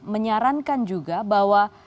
menyarankan juga bahwa